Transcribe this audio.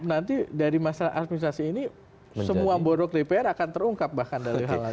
nanti dari masa administrasi ini semua bodoh dpr akan terungkap bahkan dari hal hal ini